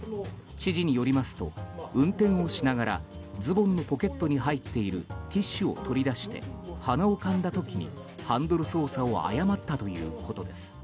知事によりますと運転をしながらズボンのポケットに入っているティッシュを取り出して鼻をかんだ時に、ハンドル操作を誤ったということです。